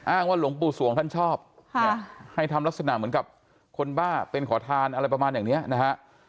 ว่าหลวงปู่สวงท่านชอบให้ทำลักษณะเหมือนกับคนบ้าเป็นขอทานอะไรประมาณอย่างนี้นะฮะ